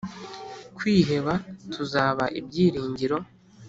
kwiheba tuzaba ibyiringiro